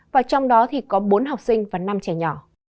và trong đó thì có bốn học sinh và năm trẻ nhỏ